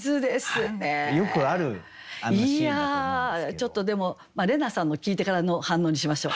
ちょっとでも怜奈さんの聞いてからの反応にしましょう。